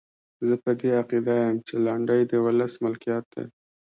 زه په دې عقیده یم چې لنډۍ د ولس ملکیت دی.